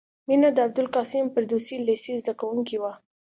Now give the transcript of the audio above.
مینه د ابوالقاسم فردوسي لېسې زدکوونکې وه